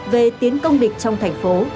về tiến công địch trong thành phố